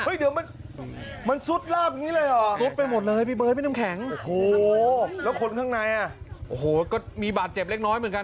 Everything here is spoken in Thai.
เฮ้ยเดี๋ยวมันมันซุดลาบอย่างงี้เลยเหรอ